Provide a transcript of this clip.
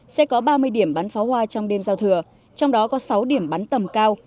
sẽ có ba mươi điểm bắn pháo hoa trong đêm giao thừa trong đó có sáu điểm bắn tầm cao